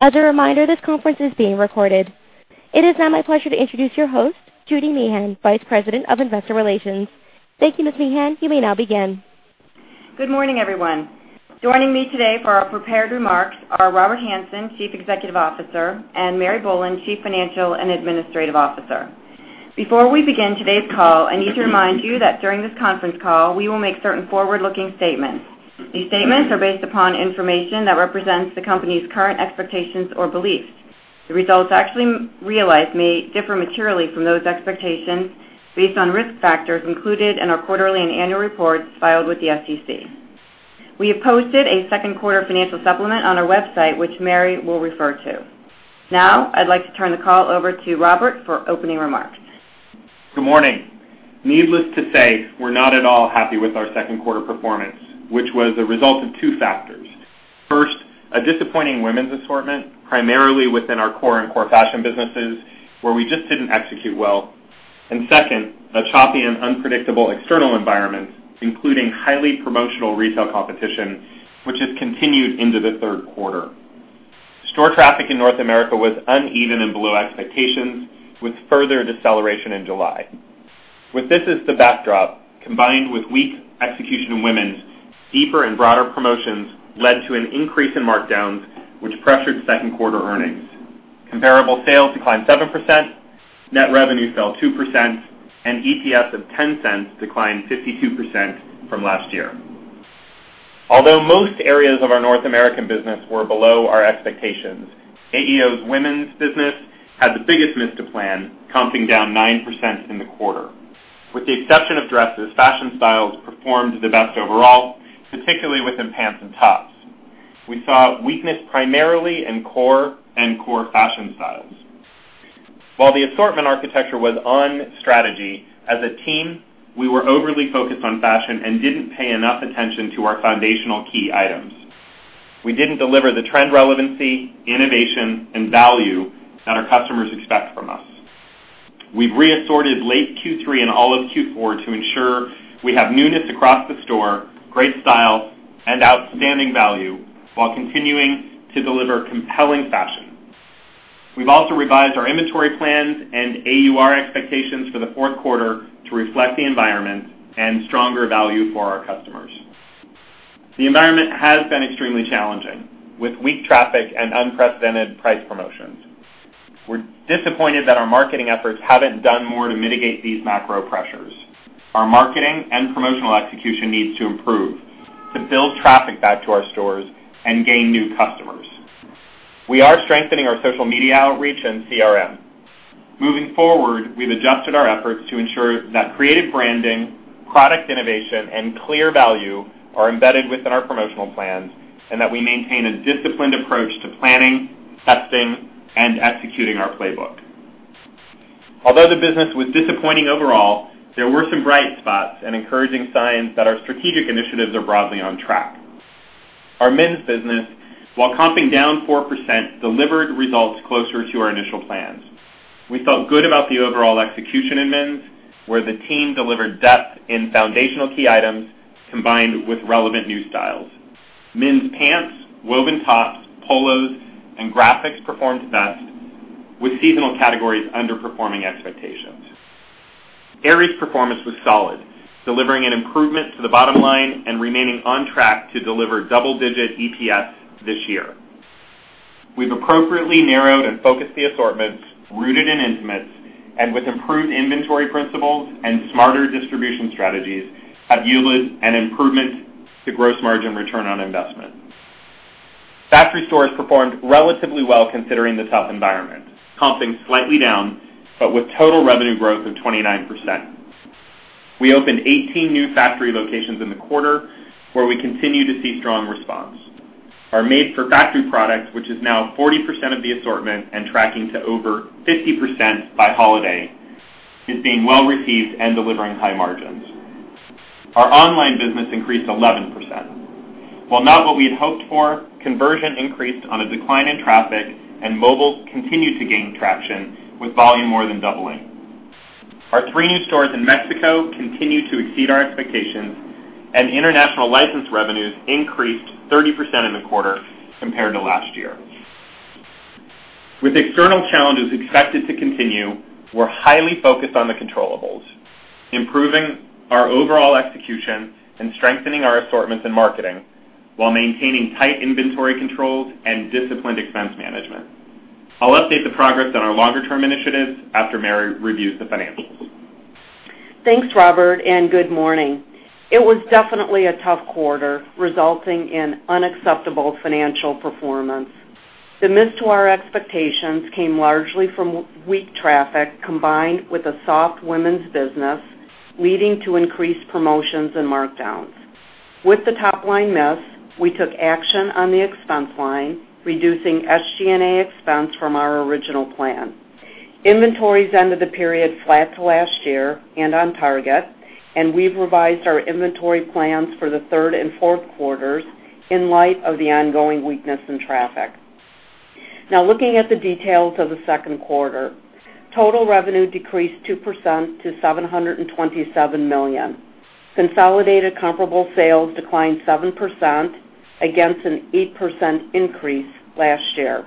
As a reminder, this conference is being recorded. It is now my pleasure to introduce your host, Judy Meehan, Vice President of Investor Relations. Thank you, Ms. Meehan. You may now begin. Good morning, everyone. Joining me today for our prepared remarks are Robert Hanson, Chief Executive Officer, and Mary Boland, Chief Financial and Administrative Officer. Before we begin today's call, I need to remind you that during this conference call, we will make certain forward-looking statements. These statements are based upon information that represents the company's current expectations or beliefs. The results actually realized may differ materially from those expectations based on risk factors included in our quarterly and annual reports filed with the SEC. We have posted a second quarter financial supplement on our website, which Mary will refer to. I'd like to turn the call over to Robert for opening remarks. Good morning. Needless to say, we're not at all happy with our second quarter performance, which was a result of two factors. First, a disappointing women's assortment, primarily within our core and core fashion businesses, where we just didn't execute well. Second, a choppy and unpredictable external environment, including highly promotional retail competition, which has continued into the third quarter. Store traffic in North America was uneven and below expectations, with further deceleration in July. With this as the backdrop, combined with weak execution in women's, deeper and broader promotions led to an increase in markdowns, which pressured second quarter earnings. Comparable sales declined 7%, net revenue fell 2%, and EPS of $0.10 declined 52% from last year. Although most areas of our North American business were below our expectations, AEO's women's business had the biggest miss to plan, comping down 9% in the quarter. With the exception of dresses, fashion styles performed the best overall, particularly within pants and tops. We saw weakness primarily in core and core fashion styles. While the assortment architecture was on strategy, as a team, we were overly focused on fashion and didn't pay enough attention to our foundational key items. We didn't deliver the trend relevancy, innovation, and value that our customers expect from us. We've re-assorted late Q3 and all of Q4 to ensure we have newness across the store, great style, and outstanding value, while continuing to deliver compelling fashion. We've also revised our inventory plans and AUR expectations for the fourth quarter to reflect the environment and stronger value for our customers. The environment has been extremely challenging, with weak traffic and unprecedented price promotions. We're disappointed that our marketing efforts haven't done more to mitigate these macro pressures. Our marketing and promotional execution needs to improve to build traffic back to our stores and gain new customers. We are strengthening our social media outreach and CRM. Moving forward, we've adjusted our efforts to ensure that creative branding, product innovation, and clear value are embedded within our promotional plans and that we maintain a disciplined approach to planning, testing, and executing our playbook. Although the business was disappointing overall, there were some bright spots and encouraging signs that our strategic initiatives are broadly on track. Our men's business, while comping down 4%, delivered results closer to our initial plans. We felt good about the overall execution in men's, where the team delivered depth in foundational key items, combined with relevant new styles. Men's pants, woven tops, polos, and graphics performed best, with seasonal categories underperforming expectations. Aerie's performance was solid, delivering an improvement to the bottom line and remaining on track to deliver double-digit EPS this year. We've appropriately narrowed and focused the assortments rooted in intimates, and with improved inventory principles and smarter distribution strategies, have yielded an improvement to gross margin return on investment. Factory stores performed relatively well, considering the tough environment, comping slightly down, but with total revenue growth of 29%. We opened 18 new factory locations in the quarter, where we continue to see strong response. Our Made for Factory product, which is now 40% of the assortment and tracking to over 50% by holiday, is being well received and delivering high margins. Our online business increased 11%. While not what we had hoped for, conversion increased on a decline in traffic, and mobile continued to gain traction with volume more than doubling. Our three new stores in Mexico continue to exceed our expectations, and international license revenues increased 30% in the quarter compared to last year. With external challenges expected to continue, we're highly focused on the controllables, improving our overall execution and strengthening our assortments and marketing while maintaining tight inventory controls and disciplined expense management. I'll update the progress on our longer-term initiatives after Mary reviews the financials. Thanks, Robert, and good morning. It was definitely a tough quarter, resulting in unacceptable financial performance. The miss to our expectations came largely from weak traffic combined with a soft women's business, leading to increased promotions and markdowns. With the top-line miss, we took action on the expense line, reducing SG&A expense from our original plan. Inventories ended the period flat to last year and on target, and we've revised our inventory plans for the third and fourth quarters in light of the ongoing weakness in traffic. Now, looking at the details of the second quarter, total revenue decreased 2% to $727 million. Consolidated comparable sales declined 7% against an 8% increase last year.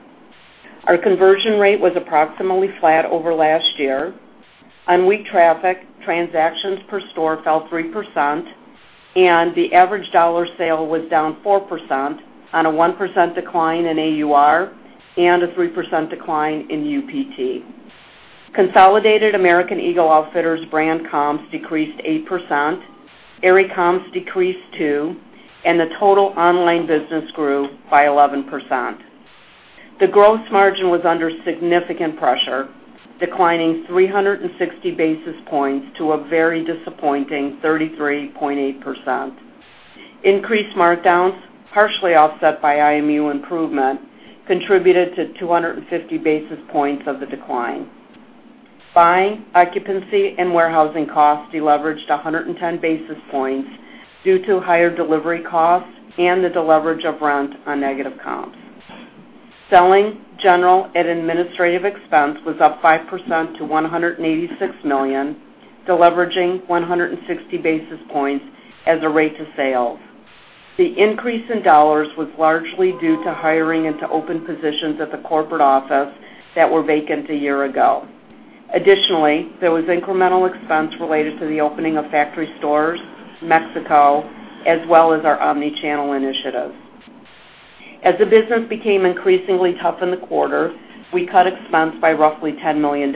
Our conversion rate was approximately flat over last year. On weak traffic, transactions per store fell 3%, and the average dollar sale was down 4% on a 1% decline in AUR and a 3% decline in UPT. Consolidated American Eagle Outfitters brand comps decreased 8%, Aerie comps decreased two, and the total online business grew by 11%. The gross margin was under significant pressure, declining 360 basis points to a very disappointing 33.8%. Increased markdowns, partially offset by IMU improvement, contributed to 250 basis points of the decline. Buying, occupancy, and warehousing costs deleveraged 110 basis points due to higher delivery costs and the deleverage of rent on negative comps. Selling, general, and administrative expense was up 5% to $186 million, deleveraging 160 basis points as a rate to sales. The increase in dollars was largely due to hiring into open positions at the corporate office that were vacant a year ago. Additionally, there was incremental expense related to the opening of factory stores, Mexico, as well as our omni-channel initiative. As the business became increasingly tough in the quarter, we cut expense by roughly $10 million.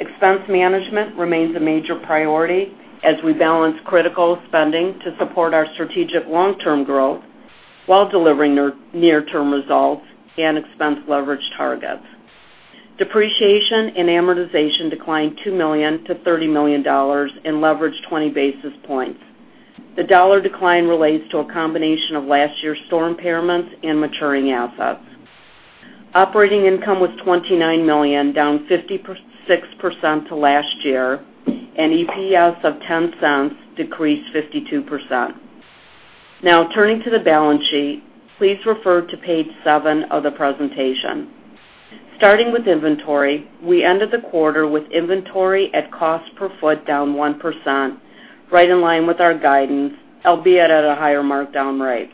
Expense management remains a major priority as we balance critical spending to support our strategic long-term growth while delivering near-term results and expense leverage targets. Depreciation and amortization declined $2 million to $30 million and leveraged 20 basis points. The dollar decline relates to a combination of last year's store impairments and maturing assets. Operating income was $29 million, down 56% to last year, and EPS of $0.10 decreased 52%. Now turning to the balance sheet, please refer to page seven of the presentation. Starting with inventory, we ended the quarter with inventory at cost per foot down 1%, right in line with our guidance, albeit at a higher markdown rate.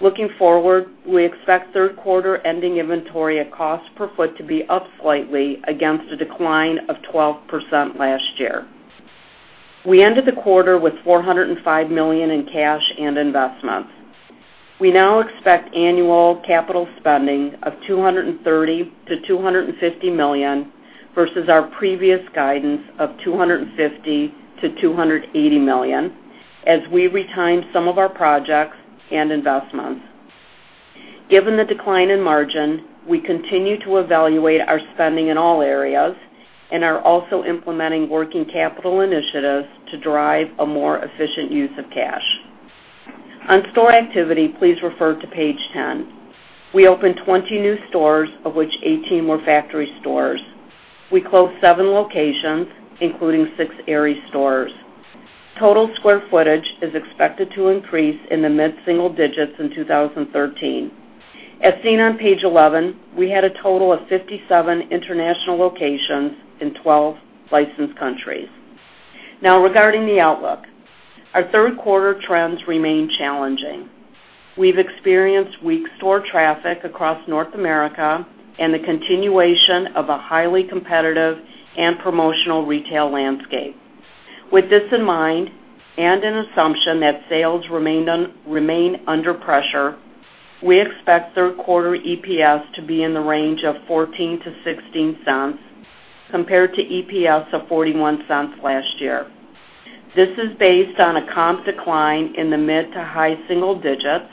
Looking forward, we expect third-quarter ending inventory at cost per foot to be up slightly against a decline of 12% last year. We ended the quarter with $405 million in cash and investments. We now expect annual capital spending of $230 million-$250 million versus our previous guidance of $250 million-$280 million as we re-timed some of our projects and investments. Given the decline in margin, we continue to evaluate our spending in all areas and are also implementing working capital initiatives to drive a more efficient use of cash. On store activity, please refer to page 10. We opened 20 new stores, of which 18 were factory stores. We closed seven locations, including six Aerie stores. Total square footage is expected to increase in the mid-single digits in 2013. As seen on page 11, we had a total of 57 international locations in 12 licensed countries. Regarding the outlook. Our third-quarter trends remain challenging. We've experienced weak store traffic across North America and the continuation of a highly competitive and promotional retail landscape. With this in mind, and an assumption that sales remain under pressure, we expect third-quarter EPS to be in the range of $0.14-$0.16 compared to EPS of $0.41 last year. This is based on a comp decline in the mid to high single digits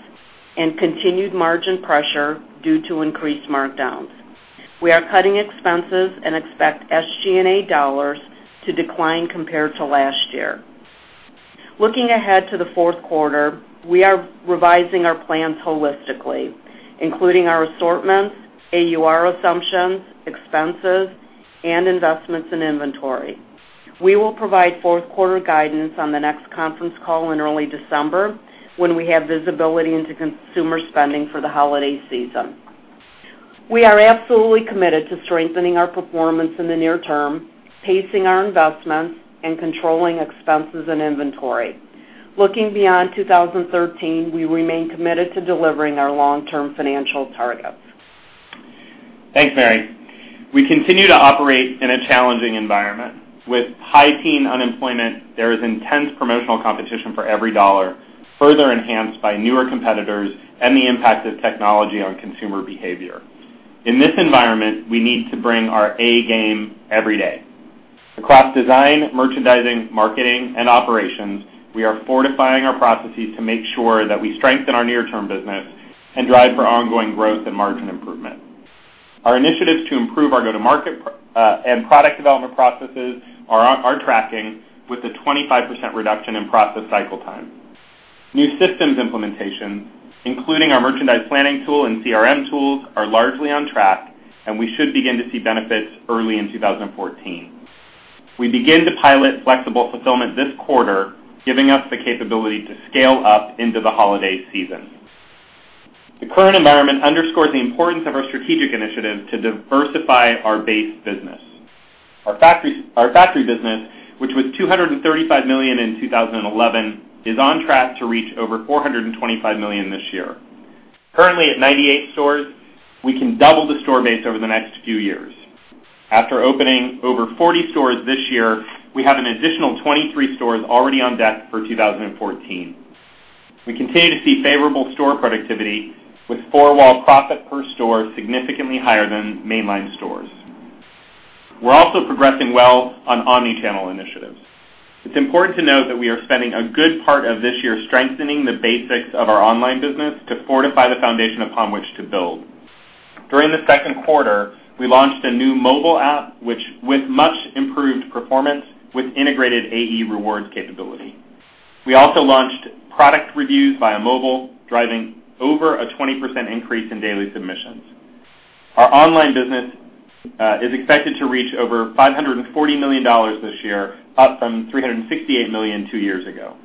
and continued margin pressure due to increased markdowns. We are cutting expenses and expect SG&A dollars to decline compared to last year. Looking ahead to the fourth quarter, we are revising our plans holistically, including our assortments, AUR assumptions, expenses, and investments in inventory. We will provide fourth-quarter guidance on the next conference call in early December when we have visibility into consumer spending for the holiday season. We are absolutely committed to strengthening our performance in the near term, pacing our investments, and controlling expenses and inventory. Looking beyond 2013, we remain committed to delivering our long-term financial targets. Thanks, Mary. We continue to operate in a challenging environment. With high teen unemployment, there is intense promotional competition for every dollar, further enhanced by newer competitors and the impact of technology on consumer behavior. In this environment, we need to bring our A game every day. Across design, merchandising, marketing, and operations, we are fortifying our processes to make sure that we strengthen our near-term business and drive for ongoing growth and margin improvement. Our initiatives to improve our go-to-market and product development processes are tracking with a 25% reduction in process cycle time. New systems implementation, including our merchandise planning tool and CRM tools, are largely on track, and we should begin to see benefits early in 2014. We begin to pilot flexible fulfillment this quarter, giving us the capability to scale up into the holiday season. The current environment underscores the importance of our strategic initiative to diversify our base business. Our factory business, which was $235 million in 2011, is on track to reach over $425 million this year. Currently at 98 stores, we can double the store base over the next few years. After opening over 40 stores this year, we have an additional 23 stores already on deck for 2014. We continue to see favorable store productivity with four-wall profit per store significantly higher than mainline stores. We're also progressing well on omni-channel initiatives. It's important to note that we are spending a good part of this year strengthening the basics of our online business to fortify the foundation upon which to build. During the second quarter, we launched a new mobile app with much-improved performance with integrated AE Rewards capability. We also launched product reviews via mobile, driving over a 20% increase in daily submissions. Our online business is expected to reach over $540 million this year, up from $368 million two years ago.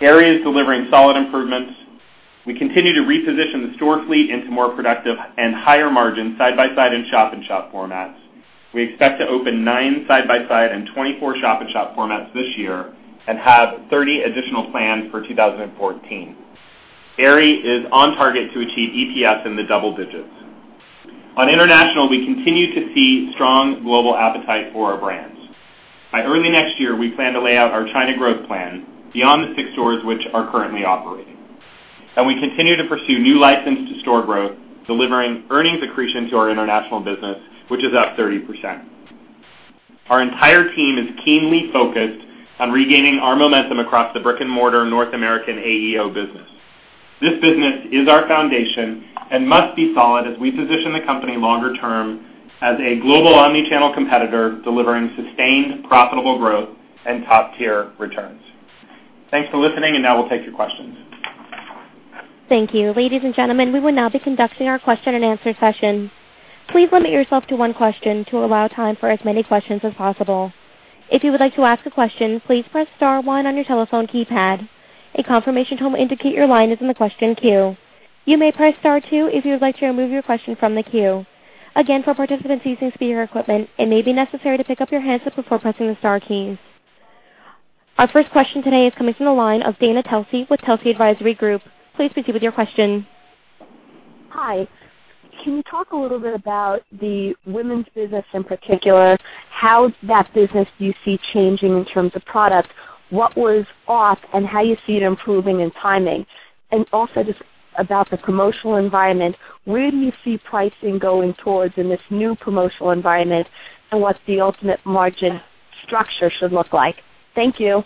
Aerie is delivering solid improvements. We continue to reposition the store fleet into more productive and higher margin side-by-side and shop-in-shop formats. We expect to open nine side-by-side and 24 shop-in-shop formats this year and have 30 additional plans for 2014. Aerie is on target to achieve EPS in the double digits. On international, we continue to see strong global appetite for our brands. By early next year, we plan to lay out our China growth plan beyond the six stores which are currently operating. We continue to pursue new licensed store growth, delivering earnings accretion to our international business, which is up 30%. Our entire team is keenly focused on regaining our momentum across the brick-and-mortar North American AEO business. This business is our foundation and must be solid as we position the company longer term as a global omni-channel competitor delivering sustained profitable growth and top-tier returns. Thanks for listening. Now we'll take your questions. Thank you. Ladies and gentlemen, we will now be conducting our question and answer session. Please limit yourself to one question to allow time for as many questions as possible. If you would like to ask a question, please press star one on your telephone keypad. A confirmation tone will indicate your line is in the question queue. You may press star two if you would like to remove your question from the queue. Again, for participants using speaker equipment, it may be necessary to pick up your handset before pressing the star keys. Our first question today is coming from the line of Dana Telsey with Telsey Advisory Group. Please proceed with your question. Hi. Can you talk a little bit about the women's business in particular, how that business you see changing in terms of product, what was off, and how you see it improving in timing? Also just about the promotional environment, where do you see pricing going towards in this new promotional environment, and what the ultimate margin structure should look like? Thank you.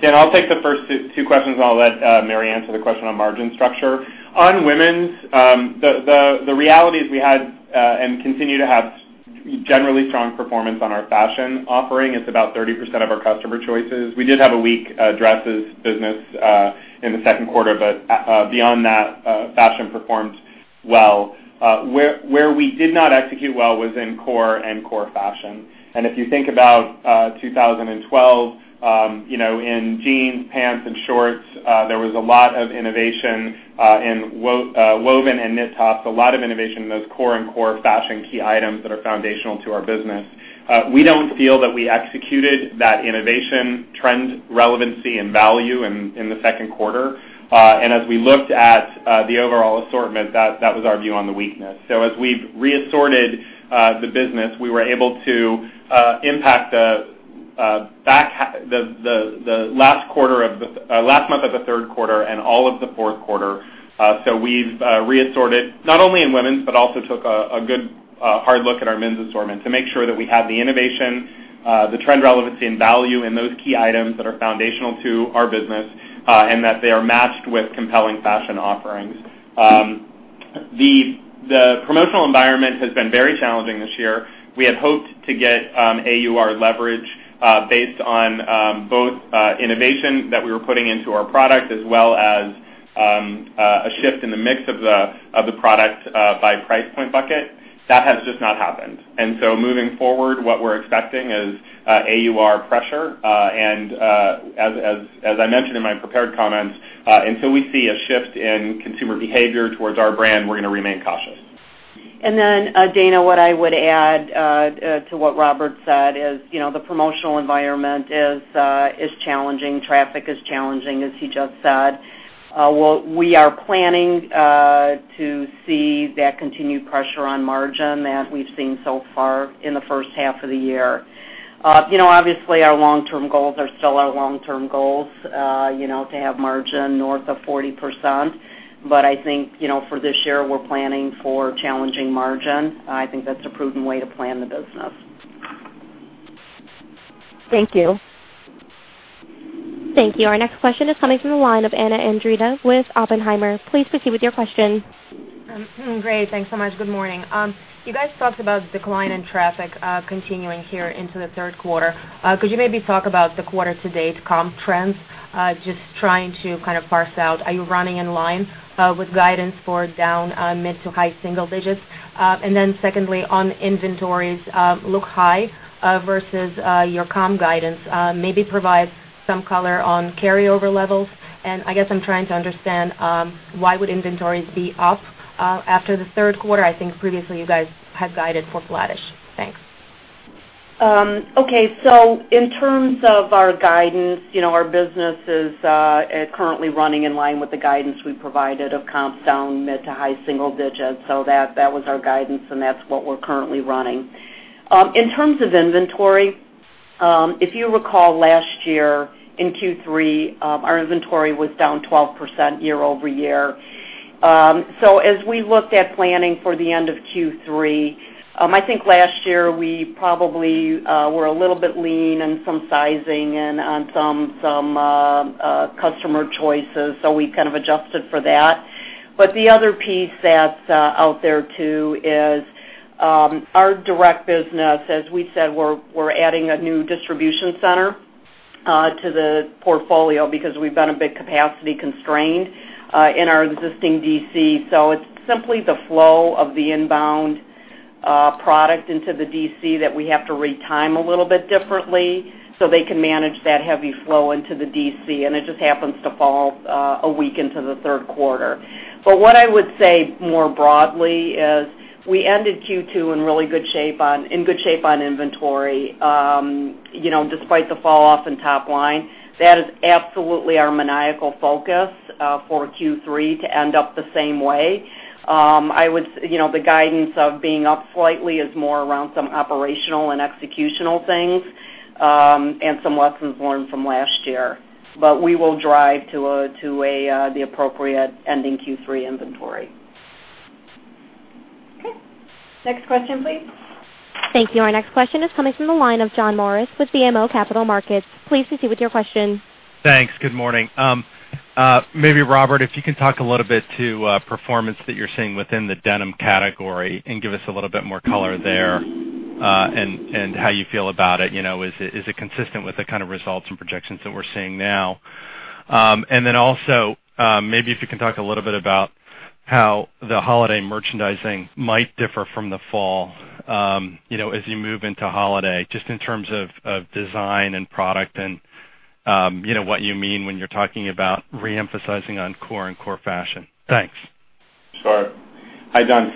Dana, I'll take the first two questions, and I'll let Mary answer the question on margin structure. On women's, the reality is we had, and continue to have, generally strong performance on our fashion offering. It's about 30% of our customer choices. We did have a weak dresses business in the second quarter, but beyond that, fashion performed well. Where we did not execute well was in core and core fashion. If you think about 2012, in jeans, pants, and shorts, there was a lot of innovation in woven and knit tops, a lot of innovation in those core and core fashion key items that are foundational to our business. We don't feel that we executed that innovation, trend relevancy, and value in the second quarter. As we looked at the overall assortment, that was our view on the weakness. As we've re-assorted the business, we were able to impact the last month of the third quarter and all of the fourth quarter. We've re-assorted not only in women's but also took a good hard look at our men's assortment to make sure that we have the innovation, the trend relevancy, and value in those key items that are foundational to our business and that they are matched with compelling fashion offerings. The promotional environment has been very challenging this year. We had hoped to get AUR leverage based on both innovation that we were putting into our product as well as a shift in the mix of the product by price point bucket. That has just not happened. Moving forward, what we're expecting is AUR pressure. As I mentioned in my prepared comments, until we see a shift in consumer behavior towards our brand, we're going to remain cautious. Dana, what I would add to what Robert said is the promotional environment is challenging. Traffic is challenging, as he just said. We are planning to see that continued pressure on margin that we've seen so far in the first half of the year. Obviously, our long-term goals are still our long-term goals, to have margin north of 40%, but I think for this year, we're planning for challenging margin. I think that's a prudent way to plan the business. Thank you. Thank you. Our next question is coming from the line of Anna Andreeva with Oppenheimer. Please proceed with your question. Great. Thanks so much. Good morning. You guys talked about decline in traffic continuing here into the third quarter. Could you maybe talk about the quarter to date comp trends? Just trying to parse out, are you running in line with guidance for down mid to high single digits? Secondly, on inventories look high versus your comp guidance. Maybe provide some color on carryover levels, and I guess I'm trying to understand why would inventories be up after the third quarter. I think previously you guys had guided for flattish. Thanks. Okay. In terms of our guidance, our business is currently running in line with the guidance we provided of comps down mid to high single digits. That was our guidance, and that's what we're currently running. In terms of inventory, if you recall, last year in Q3, our inventory was down 12% year-over-year. As we looked at planning for the end of Q3, I think last year we probably were a little bit lean in some sizing and on some customer choices, so we kind of adjusted for that. The other piece that's out there too is our direct business. As we said, we're adding a new distribution center to the portfolio because we've been a bit capacity constrained in our existing DC. It's simply the flow of the inbound product into the DC that we have to re-time a little bit differently so they can manage that heavy flow into the DC, and it just happens to fall a week into the third quarter. What I would say more broadly is we ended Q2 in really good shape on inventory. Despite the fall off in top line, that is absolutely our maniacal focus for Q3 to end up the same way. The guidance of being up slightly is more around some operational and executional things, and some lessons learned from last year. We will drive to the appropriate ending Q3 inventory. Okay. Next question, please. Thank you. Our next question is coming from the line of John Morris with BMO Capital Markets. Please proceed with your question. Thanks. Good morning. Maybe Robert, if you can talk a little bit to performance that you're seeing within the denim category and give us a little bit more color there, and how you feel about it. Is it consistent with the kind of results and projections that we're seeing now? Then also, maybe if you can talk a little bit about how the holiday merchandising might differ from the fall, as you move into holiday, just in terms of design and product and what you mean when you're talking about re-emphasizing on core and core fashion. Thanks. Sure. Hi, John.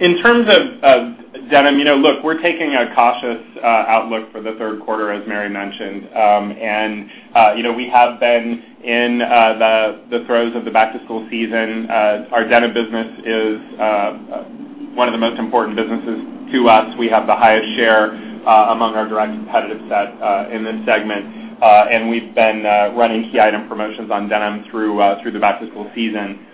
In terms of denim, look, we're taking a cautious outlook for the third quarter, as Mary mentioned. We have been in the throes of the back-to-school season. Our denim business is one of the most important businesses to us. We have the highest share among our direct competitive set in this segment. We've been running key item promotions on denim through the back-to-school season.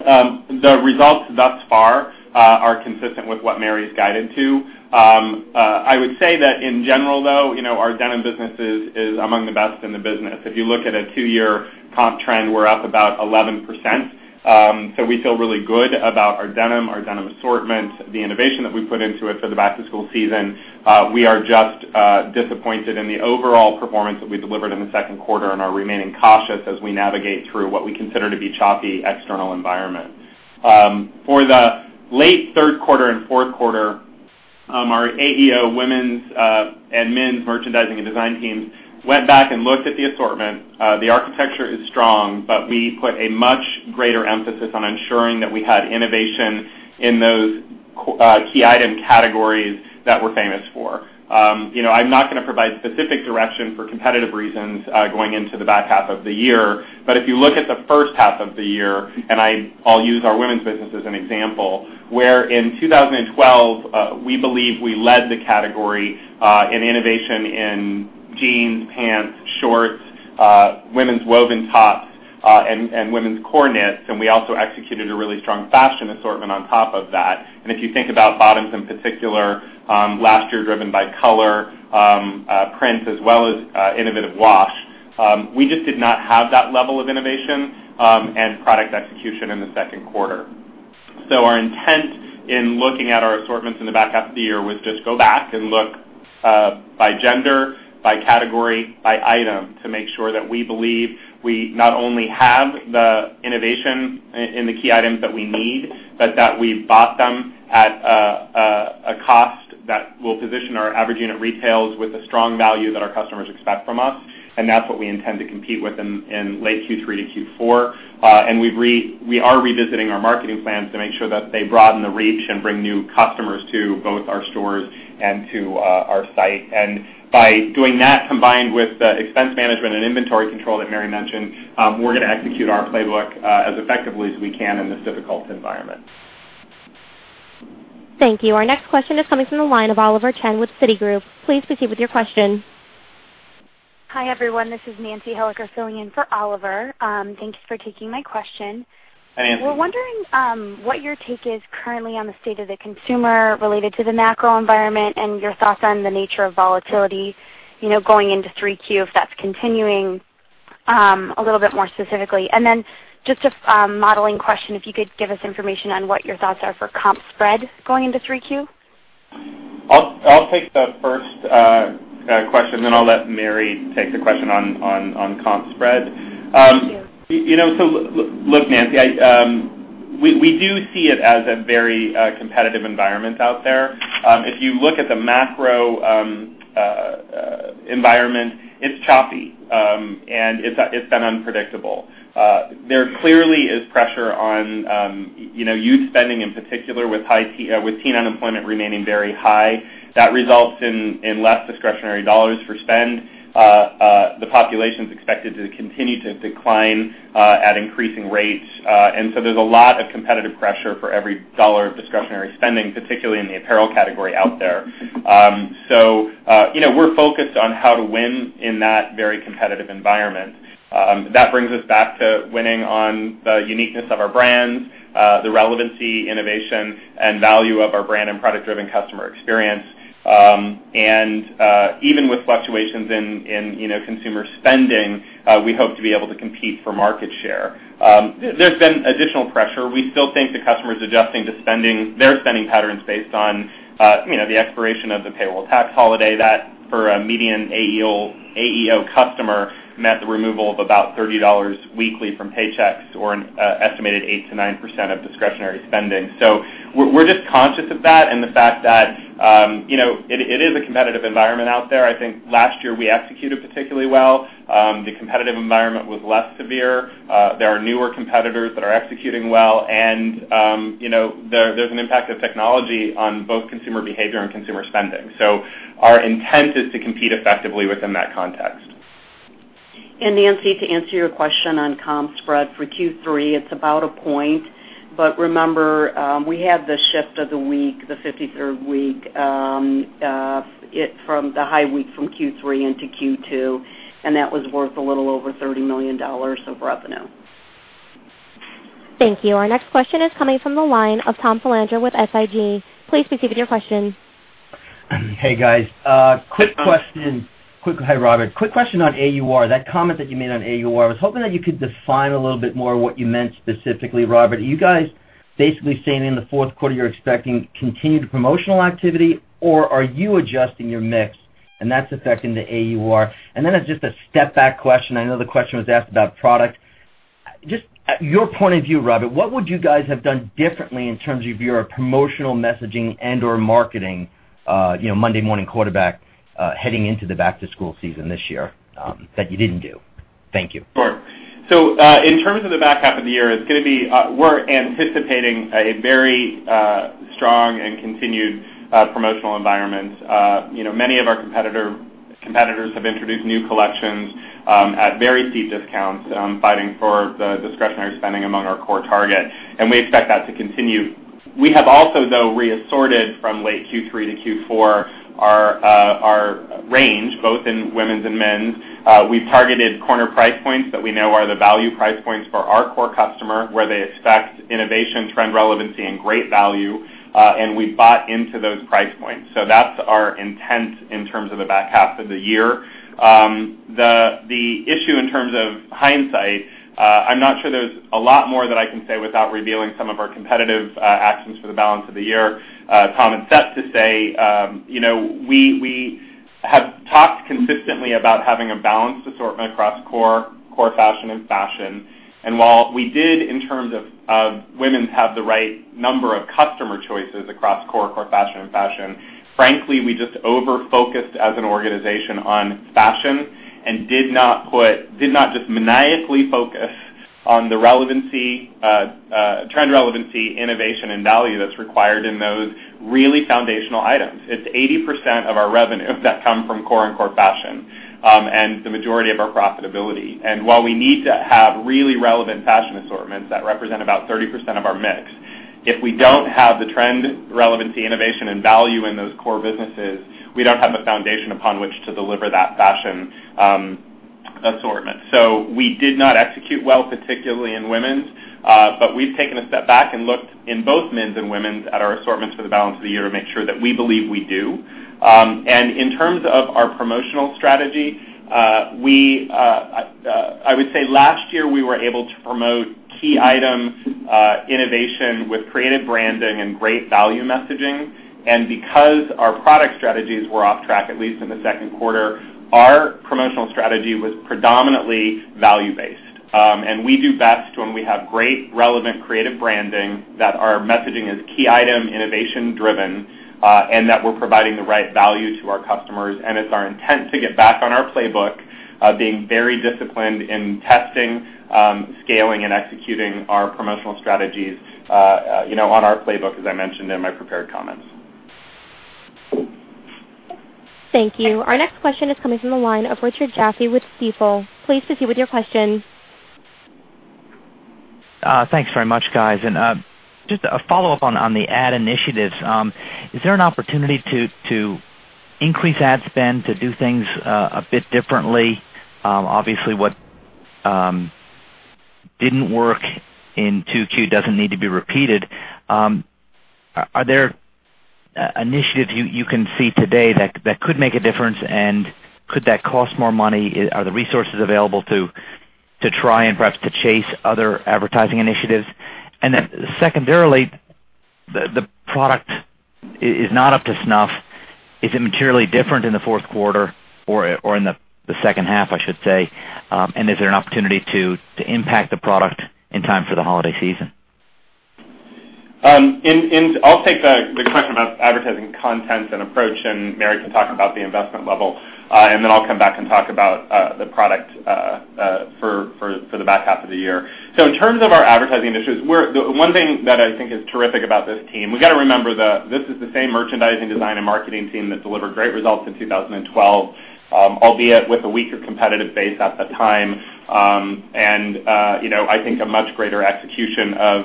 The results thus far are consistent with what Mary's guided to. I would say that in general, though, our denim business is among the best in the business. If you look at a two-year comp trend, we're up about 11%. We feel really good about our denim, our denim assortment, the innovation that we put into it for the back-to-school season. We are just disappointed in the overall performance that we delivered in the second quarter and are remaining cautious as we navigate through what we consider to be choppy external environment. For the late third quarter and fourth quarter, our AEO women's and men's merchandising and design teams went back and looked at the assortment. The architecture is strong, but we put a much greater emphasis on ensuring that we had innovation in those key item categories that we're famous for. I'm not gonna provide specific direction for competitive reasons going into the back half of the year. If you look at the first half of the year, and I'll use our women's business as an example, where in 2012, we believe we led the category in innovation in jeans, pants, shorts, women's woven tops, and women's core knits. We also executed a really strong fashion assortment on top of that. If you think about bottoms in particular, last year driven by color, prints, as well as innovative wash. We just did not have that level of innovation and product execution in the second quarter. Our intent in looking at our assortments in the back half of the year was just go back and look by gender, by category, by item to make sure that we believe we not only have the innovation in the key items that we need, but that we've bought them at a cost that will position our average unit retails with the strong value that our customers expect from us. That's what we intend to compete with in late Q3 and Q4. We are revisiting our marketing plans to make sure that they broaden the reach and bring new customers to both our stores and to our site. By doing that, combined with the expense management and inventory control that Mary mentioned, we're gonna execute our playbook as effectively as we can in this difficult environment. Thank you. Our next question is coming from the line of Oliver Chen with Citigroup. Please proceed with your question. Hi, everyone. This is Nancy Hilliker filling in for Oliver. Thank you for taking my question. Hi, Nancy. We're wondering what your take is currently on the state of the consumer related to the macro environment and your thoughts on the nature of volatility, going into 3Q, if that's continuing a little bit more specifically. Just a modeling question, if you could give us information on what your thoughts are for comp spread going into 3Q. I'll take the first question, then I'll let Mary take the question on comp spread. Thank you. Look, Nancy, we do see it as a very competitive environment out there. If you look at the macro environment, it's choppy, and it's been unpredictable. There clearly is pressure on youth spending, in particular, with teen unemployment remaining very high. That results in less discretionary dollars for spend. The population's expected to continue to decline at increasing rates. There's a lot of competitive pressure for every dollar of discretionary spending, particularly in the apparel category out there. We're focused on how to win in that very competitive environment. That brings us back to winning on the uniqueness of our brands, the relevancy, innovation, and value of our brand and product-driven customer experience. Even with fluctuations in consumer spending, we hope to be able to compete for market share. There's been additional pressure. We still think the customer's adjusting to their spending patterns based on the expiration of the payroll tax holiday. That, for a median AEO customer, meant the removal of about $30 weekly from paychecks or an estimated 8%-9% of discretionary spending. We're just conscious of that and the fact that it is a competitive environment out there. I think last year we executed particularly well. The competitive environment was less severe. There are newer competitors that are executing well. There's an impact of technology on both consumer behavior and consumer spending. Our intent is to compete effectively within that context. Nancy, to answer your question on comp spread. For Q3, it's about a point. Remember, we had the shift of the week, the 53rd week, from the high week from Q3 into Q2, and that was worth a little over $30 million of revenue. Thank you. Our next question is coming from the line of Tom Filandro with SIG. Please proceed with your question. Hey, guys. Quick question. Hi, Robert. Quick question on AUR. That comment that you made on AUR, I was hoping that you could define a little bit more what you meant specifically, Robert. Are you guys basically saying in the fourth quarter you're expecting continued promotional activity, or are you adjusting your mix and that's affecting the AUR? As just a step-back question, I know the question was asked about product. Just at your point of view, Robert, what would you guys have done differently in terms of your promotional messaging and/or marketing, Monday morning quarterback, heading into the back-to-school season this year that you didn't do? Thank you. Sure. In terms of the back half of the year, we're anticipating a very strong and continued promotional environment. Many of our competitors have introduced new collections at very steep discounts fighting for the discretionary spending among our core target, and we expect that to continue. We have also, though, re-assorted from late Q3 to Q4 our range, both in women's and men's. We've targeted corner price points that we know are the value price points for our core customer, where they expect innovation, trend relevancy and great value, and we've bought into those price points. That's our intent in terms of the back half of the year. The issue in terms of hindsight, I'm not sure there's a lot more that I can say without revealing some of our competitive actions for the balance of the year, Tom. It's safe to say, we have talked consistently about having a balanced assortment across core fashion, and fashion. While we did, in terms of women's, have the right number of customer choices across core fashion, and fashion, frankly, we just over-focused as an organization on fashion and did not just maniacally focus on the trend relevancy, innovation, and value that's required in those really foundational items. It's 80% of our revenue that come from core and core fashion, and the majority of our profitability. While we need to have really relevant fashion assortments that represent about 30% of our mix, if we don't have the trend relevancy, innovation, and value in those core businesses, we don't have the foundation upon which to deliver that fashion assortment. We did not execute well, particularly in women's. We've taken a step back and looked in both men's and women's at our assortments for the balance of the year to make sure that we believe we do. In terms of our promotional strategy, I would say last year, we were able to promote key item innovation with creative branding and great value messaging. Because our product strategies were off track, at least in the second quarter, our promotional strategy was predominantly value-based. We do best when we have great, relevant, creative branding, that our messaging is key item, innovation driven, and that we're providing the right value to our customers. It's our intent to get back on our playbook, being very disciplined in testing, scaling, and executing our promotional strategies on our playbook, as I mentioned in my prepared comments. Thank you. Our next question is coming from the line of Richard Jaffe with Stifel. Please proceed with your question. Thanks very much, guys. Just a follow-up on the ad initiatives. Is there an opportunity to increase ad spend, to do things a bit differently? Obviously, what didn't work in 2Q doesn't need to be repeated. Are there initiatives you can see today that could make a difference, and could that cost more money? Are the resources available to try and perhaps to chase other advertising initiatives? Then secondarily, the product is not up to snuff. Is it materially different in the fourth quarter or in the second half, I should say, and is there an opportunity to impact the product in time for the holiday season? I'll take the question about advertising content and approach, and Mary can talk about the investment level. Then I'll come back and talk about the product for the back half of the year. In terms of our advertising issues, the one thing that I think is terrific about this team, we've got to remember that this is the same merchandising, design, and marketing team that delivered great results in 2012, albeit with a weaker competitive base at the time. I think a much greater execution of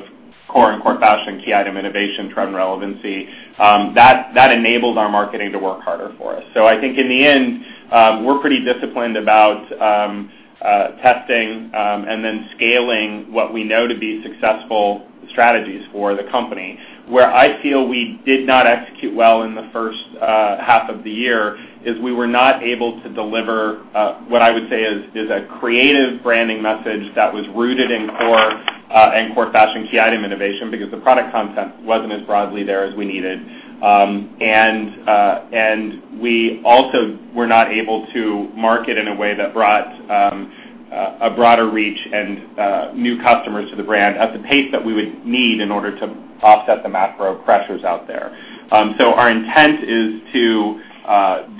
core and core fashion key item innovation, trend relevancy. That enables our marketing to work harder for us. I think in the end, we're pretty disciplined about testing and then scaling what we know to be successful strategies for the company. Where I feel we did not execute well in the first half of the year is we were not able to deliver what I would say is a creative branding message that was rooted in core and core fashion key item innovation because the product content wasn't as broadly there as we needed. We also were not able to market in a way that brought a broader reach and new customers to the brand at the pace that we would need in order to offset the macro pressures out there. Our intent is to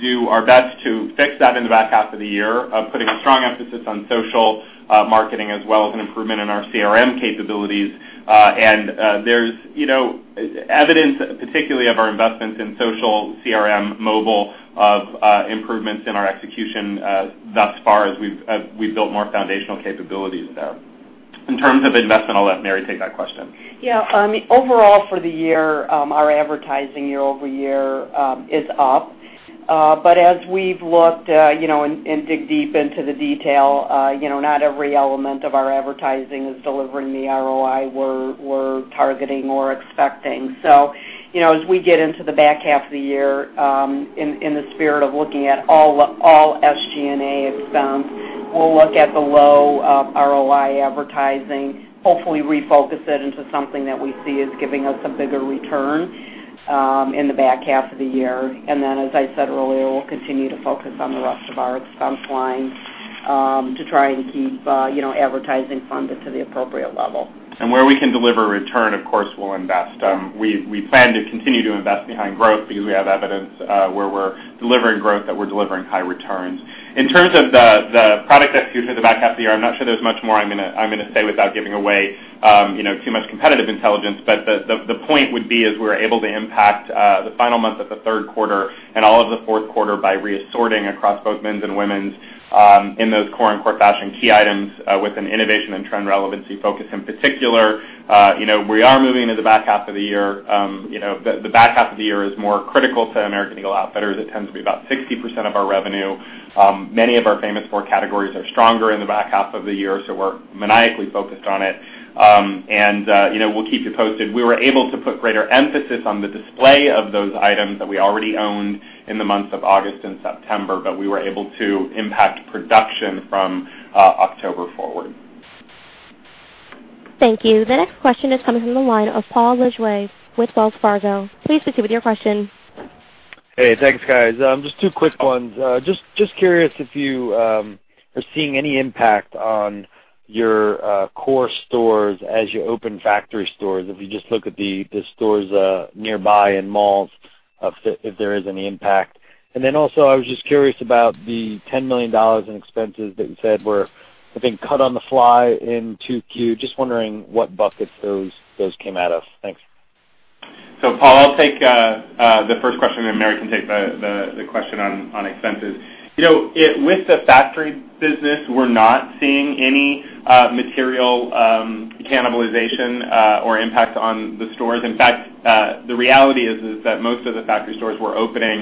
do our best to fix that in the back half of the year, putting a strong emphasis on social marketing as well as an improvement in our CRM capabilities. There's evidence, particularly of our investments in social CRM mobile, of improvements in our execution thus far as we've built more foundational capabilities there. In terms of investment, I'll let Mary take that question. Yeah. Overall for the year, our advertising year-over-year is up. As we've looked and dig deep into the detail, not every element of our advertising is delivering the ROI we're targeting or expecting. As we get into the back half of the year, in the spirit of looking at all SG&A expense, we'll look at the low ROI advertising, hopefully refocus it into something that we see is giving us a bigger return in the back half of the year. Then, as I said earlier, we'll continue to focus on the rest of our expense line to try and keep advertising funded to the appropriate level. Where we can deliver return, of course, we'll invest. We plan to continue to invest behind growth because we have evidence where we're delivering growth, that we're delivering high returns. In terms of the product execution in the back half of the year, I'm not sure there's much more I'm going to say without giving away too much competitive intelligence. The point would be is we're able to impact the final months of the third quarter and all of the fourth quarter by reassorting across both men's and women's in those core and core fashion key items with an innovation and trend relevancy focus in particular. We are moving into the back half of the year. The back half of the year is more critical to American Eagle Outfitters. It tends to be about 60% of our revenue. Many of our famous four categories are stronger in the back half of the year, we're maniacally focused on it. We'll keep you posted. We were able to put greater emphasis on the display of those items that we already owned in the months of August and September, we were able to impact production from October forward. Thank you. The next question is coming from the line of Paul Lejuez with Wells Fargo. Please proceed with your question. Hey, thanks, guys. Just two quick ones. Just curious if you are seeing any impact on your core stores as you open factory stores. If you just look at the stores nearby in malls, if there is any impact. Also, I was just curious about the $10 million in expenses that you said were, I think, cut on the fly in 2Q. Just wondering what buckets those came out of. Thanks. Paul, I'll take the first question, and then Mary can take the question on expenses. With the factory business, we're not seeing any material cannibalization or impact on the stores. In fact, the reality is that most of the factory stores We're opening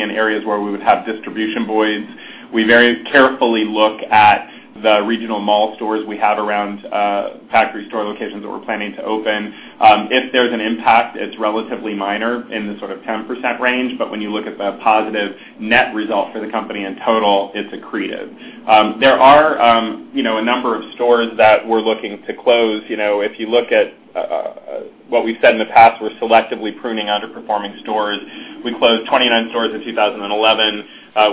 in areas where we would have distribution voids. We very carefully look at the regional mall stores we have around factory store locations that we're planning to open. If there's an impact, it's relatively minor, in the sort of 10% range. When you look at the positive net result for the company in total, it's accretive. There are a number of stores that we're looking to close. If you look at what we've said in the past, we're selectively pruning underperforming stores. We closed 29 stores in 2011.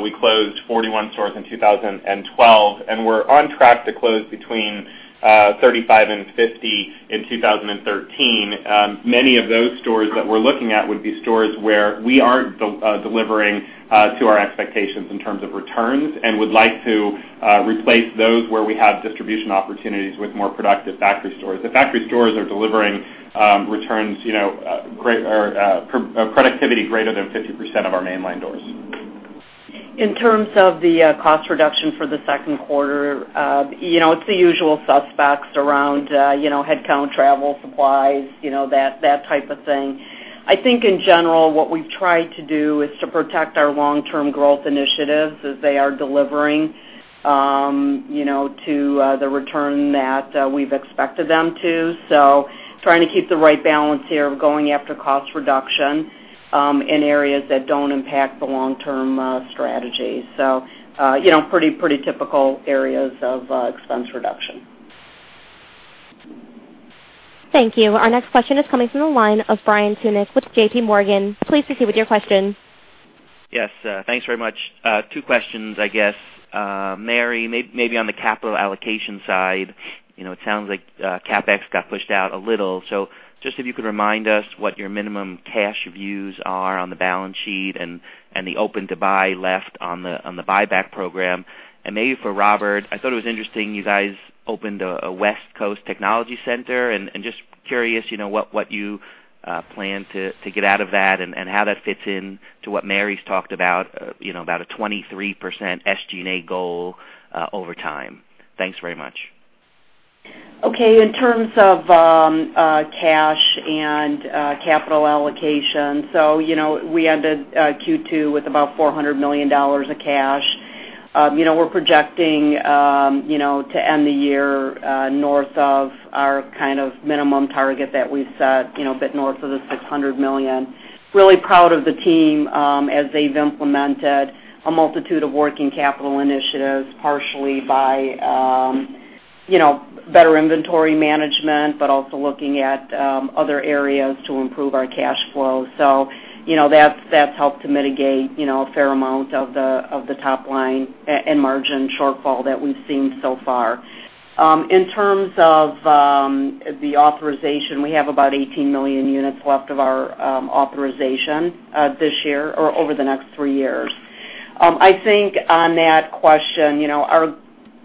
We closed 41 stores in 2012. We're on track to close between 35 and 50 in 2013. Many of those stores that we're looking at would be stores where we aren't delivering to our expectations in terms of returns and would like to replace those where we have distribution opportunities with more productive factory stores. The factory stores are delivering returns, or productivity greater than 50% of our mainline doors. In terms of the cost reduction for the second quarter, it's the usual suspects around headcount, travel, supplies, that type of thing. I think in general, what we've tried to do is to protect our long-term growth initiatives as they are delivering to the return that we've expected them to. Trying to keep the right balance here of going after cost reduction in areas that don't impact the long-term strategy. Pretty typical areas of expense reduction. Thank you. Our next question is coming from the line of Brian Tunick with J.P. Morgan. Please proceed with your question. Yes. Thanks very much. Two questions, I guess. Mary, maybe on the capital allocation side. It sounds like CapEx got pushed out a little. Just if you could remind us what your minimum cash views are on the balance sheet and the open to buy left on the buyback program. Maybe for Robert, I thought it was interesting you guys opened a West Coast Technology Center, and just curious what you plan to get out of that and how that fits in to what Mary's talked about a 23% SG&A goal over time. Thanks very much. Okay. In terms of cash and capital allocation, we ended Q2 with about $400 million of cash. We're projecting to end the year north of our minimum target that we've set, a bit north of the $600 million. Really proud of the team as they've implemented a multitude of working capital initiatives, partially by better inventory management, but also looking at other areas to improve our cash flow. That's helped to mitigate a fair amount of the top line and margin shortfall that we've seen so far. In terms of the authorization, we have about 18 million units left of our authorization this year or over the next 3 years. I think on that question, our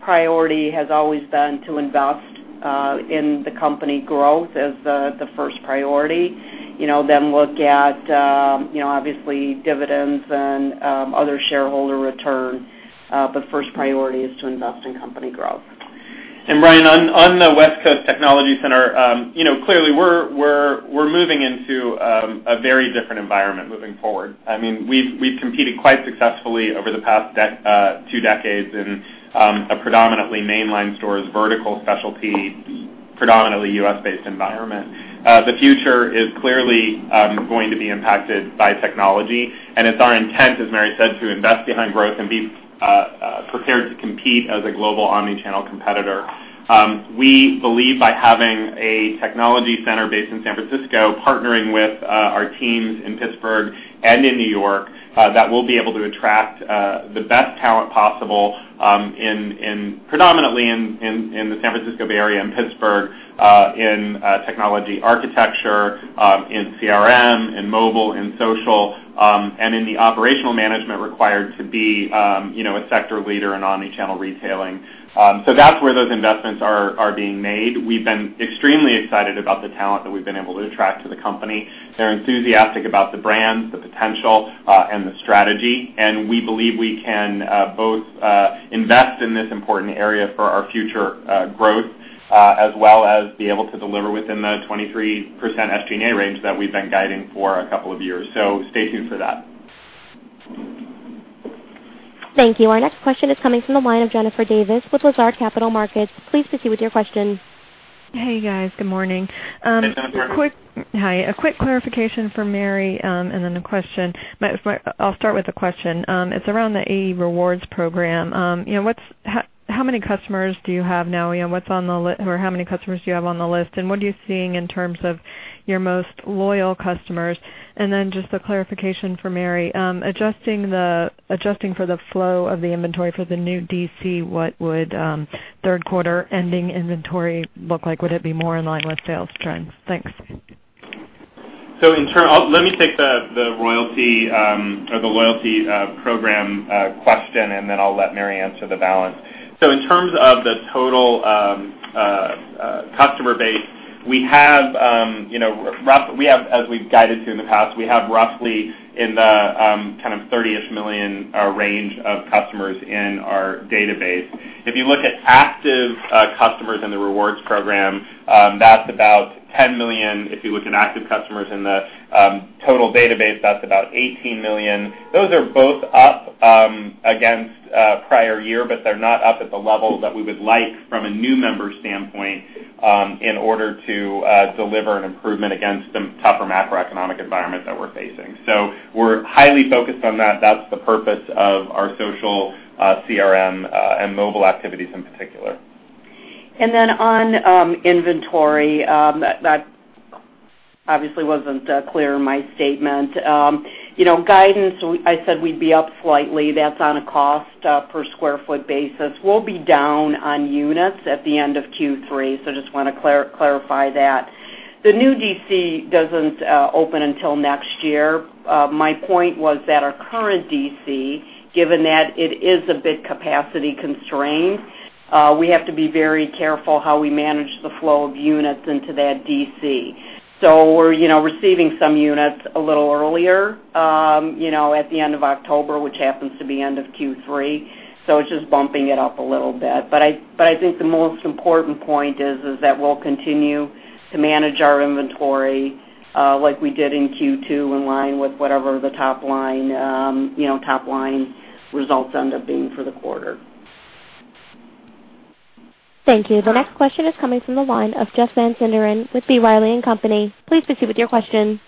priority has always been to invest in the company growth as the first priority, then look at, obviously, dividends and other shareholder return. First priority is to invest in company growth. Brian, on the West Coast Technology Center, clearly we're moving into a very different environment moving forward. We've competed quite successfully over the past 2 decades in a predominantly mainline stores, vertical specialty, predominantly U.S.-based environment. The future is clearly going to be impacted by technology. It's our intent, as Mary said, to invest behind growth and be prepared to compete as a global omni-channel competitor. We believe by having a technology center based in San Francisco, partnering with our teams in Pittsburgh and in New York, that we'll be able to attract the best talent possible predominantly in the San Francisco Bay Area and Pittsburgh, in technology architecture, in CRM, in mobile, in social, and in the operational management required to be a sector leader in omni-channel retailing. That's where those investments are being made. We've been extremely excited about the talent that we've been able to attract to the company. They're enthusiastic about the brands, the potential, and the strategy. We believe we can both invest in this important area for our future growth, as well as be able to deliver within the 23% SG&A range that we've been guiding for a couple of years. Stay tuned for that. Thank you. Our next question is coming from the line of Jennifer Davis with Lazard Capital Markets. Please proceed with your question. Hey, guys. Good morning. Hey, Jennifer. Hi. A quick clarification for Mary, then a question. I'll start with the question. It's around the AE Rewards program. How many customers do you have now? How many customers do you have on the list, and what are you seeing in terms of your most loyal customers? Then just a clarification for Mary. Adjusting for the flow of the inventory for the new DC, what would third quarter ending inventory look like? Would it be more in line with sales trends? Thanks. Let me take the loyalty program question, then I'll let Mary answer the balance. In terms of the total customer base, as we've guided to in the past, we have roughly in the $30-ish million range of customers in our database. If you look at active customers in the rewards program, that's about $10 million. If you look at active customers in the total database, that's about $18 million. Those are both up against prior year, they're not up at the level that we would like from a new member standpoint in order to deliver an improvement against the tougher macroeconomic environment that we're facing. We're highly focused on that. That's the purpose of our social CRM and mobile activities in particular. On inventory, that obviously wasn't clear in my statement. Guidance, I said we'd be up slightly. That's on a cost per square foot basis. We'll be down on units at the end of Q3. Just want to clarify that. The new DC doesn't open until next year. My point was that our current DC, given that it is a bit capacity constrained, we have to be very careful how we manage the flow of units into that DC. We're receiving some units a little earlier, at the end of October, which happens to be end of Q3. It's just bumping it up a little bit. I think the most important point is that we'll continue to manage our inventory like we did in Q2, in line with whatever the top line results end up being for the quarter. Thank you. The next question is coming from the line of Jeff Van Sinderen with B. Riley & Co.. Please proceed with your question.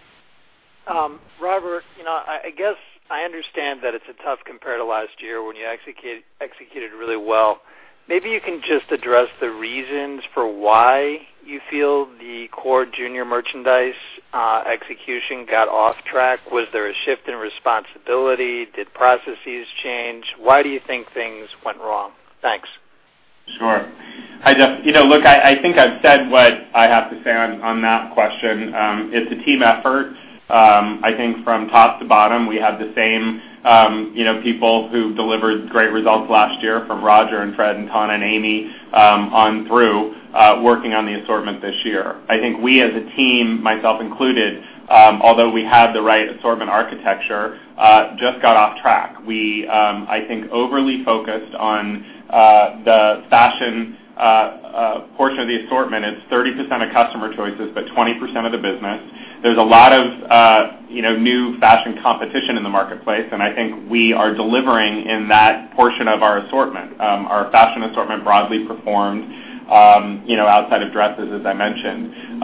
Robert, I guess I understand that it's tough compared to last year when you executed really well. Maybe you can just address the reasons for why you feel the core junior merchandise execution got off track. Was there a shift in responsibility? Did processes change? Why do you think things went wrong? Thanks. Sure. Look, I think I've said what I have to say on that question. It is a team effort. I think from top to bottom, we have the same people who delivered great results last year, from Roger and Fred and Tana and Amy on through, working on the assortment this year. I think we as a team, myself included, although we had the right assortment architecture, just got off track. We, I think, overly focused on the fashion portion of the assortment. It is 30% of customer choices, but 20% of the business. There is a lot of new fashion competition in the marketplace, and I think we are delivering in that portion of our assortment. Our fashion assortment broadly performed outside of dresses, as I mentioned.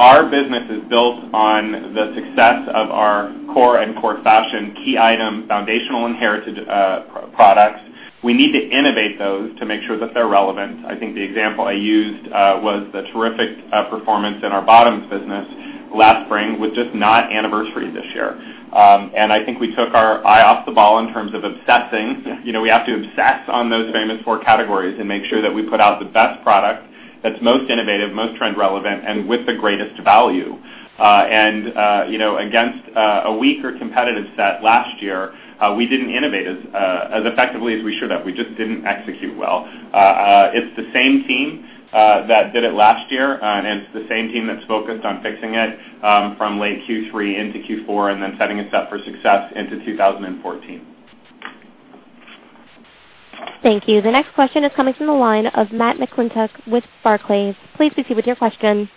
Our business is built on the success of our core and core fashion key item, foundational inherited products. We need to innovate those to make sure that they are relevant. I think the example I used was the terrific performance in our bottoms business last spring was just not anniversary this year. I think we took our eye off the ball in terms of obsessing. We have to obsess on those famous four categories and make sure that we put out the best product that is most innovative, most trend relevant, and with the greatest value. Against a weaker competitive set last year, we did not innovate as effectively as we should have. We just did not execute well. It is the same team that did it last year, and it is the same team that is focused on fixing it from late Q3 into Q4 and then setting us up for success into 2014. Thank you. The next question is coming from the line of Matthew McClintock with Barclays. Please proceed with your question.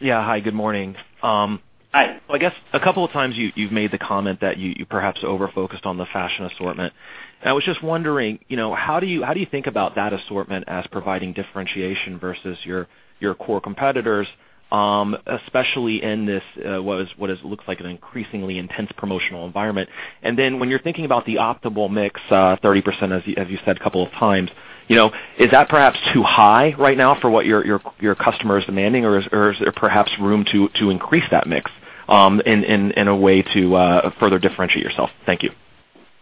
Yeah. Hi, good morning. Hi. I guess a couple of times you've made the comment that you perhaps over-focused on the fashion assortment. How do you think about that assortment as providing differentiation versus your core competitors, especially in this, what looks like an increasingly intense promotional environment? When you're thinking about the optimal mix, 30%, as you said a couple of times, is that perhaps too high right now for what your customer is demanding? Is there perhaps room to increase that mix in a way to further differentiate yourself? Thank you.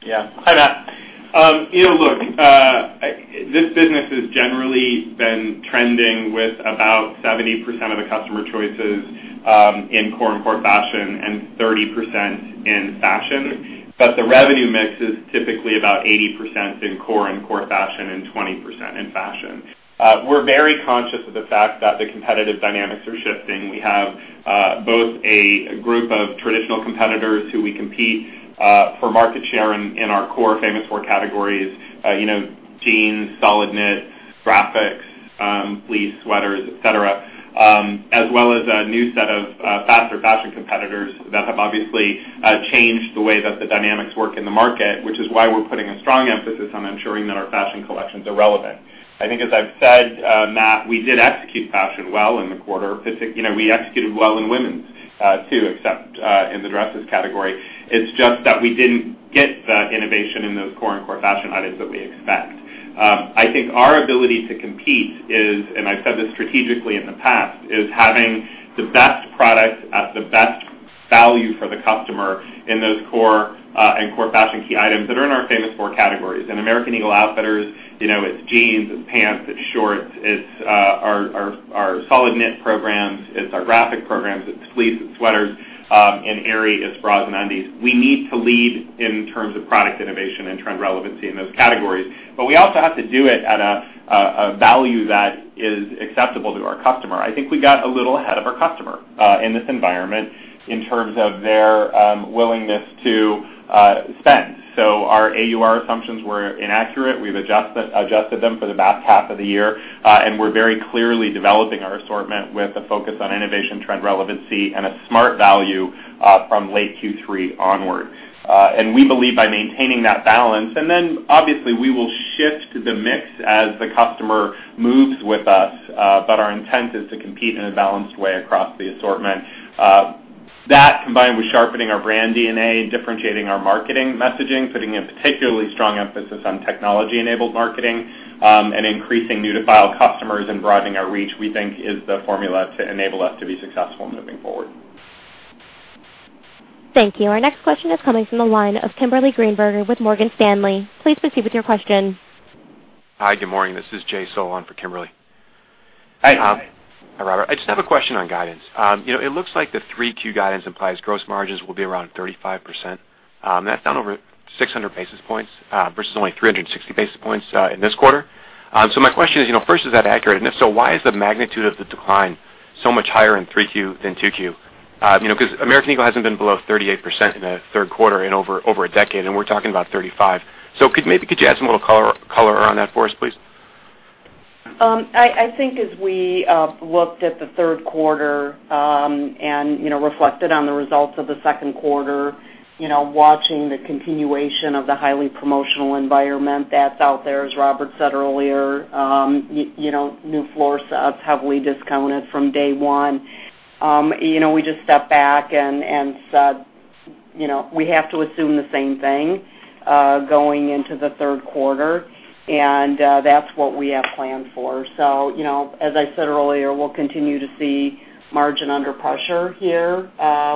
Yeah. Hi, Matt. Look, this business has generally been trending with about 70% of the customer choices in core and core fashion and 30% in fashion. The revenue mix is typically about 80% in core and core fashion and 20% in fashion. We're very conscious of the fact that the competitive dynamics are shifting. We have both a group of traditional competitors who we compete for market share in our core famous four categories: jeans, solid knit, graphics, fleece, sweaters, et cetera, as well as a new set of faster fashion competitors that have obviously changed the way that the dynamics work in the market, which is why we're putting a strong emphasis on ensuring that our fashion collections are relevant. I think as I've said, Matt, we did execute fashion well in the quarter. We executed well in women's too, except in the dresses category. It's just that we didn't get the innovation in those core and core fashion items that we expect. I think our ability to compete is, and I've said this strategically in the past, is having the best product at the best value for the customer in those core and core fashion key items that are in our famous four categories. In American Eagle Outfitters, it's jeans, it's pants, it's shorts, it's our solid knit programs, it's our graphic programs, it's fleece, it's sweaters. In Aerie, it's bras and undies. We need to lead in terms of product innovation and trend relevancy in those categories. We also have to do it at a value that is acceptable to our customer. I think we got a little ahead of our customer in this environment in terms of their willingness to spend. Our AUR assumptions were inaccurate. We've adjusted them for the back half of the year. We're very clearly developing our assortment with a focus on innovation, trend relevancy, and a smart value from late Q3 onward. We believe by maintaining that balance, obviously we will shift the mix as the customer moves with us. Our intent is to compete in a balanced way across the assortment. That, combined with sharpening our brand DNA, differentiating our marketing messaging, putting a particularly strong emphasis on technology-enabled marketing, and increasing new-to-file customers and broadening our reach, we think is the formula to enable us to be successful moving forward. Thank you. Our next question is coming from the line of Kimberly Greenberger with Morgan Stanley. Please proceed with your question. Hi, good morning. This is Jay Sole for Kimberly. Hi. Hi, Robert. I just have a question on guidance. It looks like the three Q guidance implies gross margins will be around 35%. That's down over 600 basis points versus only 360 basis points in this quarter. My question is, first, is that accurate? If so, why is the magnitude of the decline so much higher in three Q than two Q? Because American Eagle hasn't been below 38% in a third quarter in over a decade, and we're talking about 35%. Maybe could you add some more color on that for us, please? I think as we looked at the third quarter and reflected on the results of the second quarter, watching the continuation of the highly promotional environment that's out there, as Robert said earlier New floor sets heavily discounted from day one. We just stepped back and said, "We have to assume the same thing going into the third quarter." That's what we have planned for. As I said earlier, we'll continue to see margin under pressure here,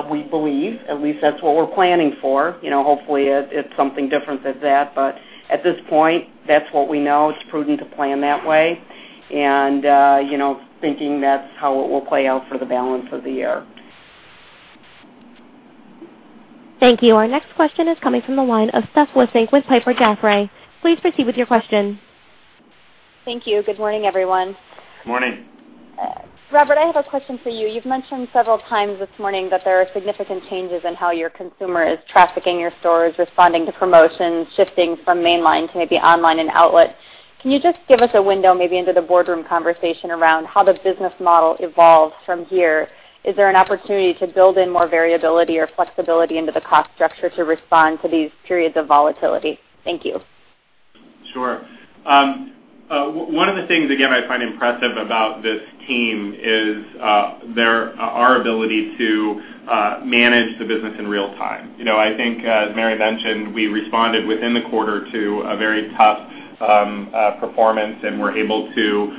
we believe. At least that's what we're planning for. Hopefully, it's something different than that, but at this point, that's what we know. It's prudent to plan that way and thinking that's how it will play out for the balance of the year. Thank you. Our next question is coming from the line of Stephanie Wissink with Piper Jaffray. Please proceed with your question. Thank you. Good morning, everyone. Morning. Robert, I have a question for you. You've mentioned several times this morning that there are significant changes in how your consumer is trafficking your stores, responding to promotions, shifting from mainline to maybe online and outlet. Can you just give us a window, maybe into the boardroom conversation around how the business model evolves from here? Is there an opportunity to build in more variability or flexibility into the cost structure to respond to these periods of volatility? Thank you. Sure. One of the things, again, I find impressive about this team is our ability to manage the business in real time. I think, as Mary mentioned, we responded within the quarter to a very tough performance, and we're able to